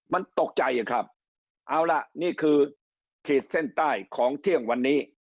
มันตกใจครับเอาล่ะนี่คือขีดเส้นใต้ของเที่ยงวันนี้